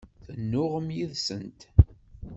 Tennuɣem yid-sent?